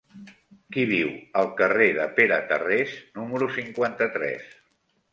Qui viu al carrer de Pere Tarrés número cinquanta-tres?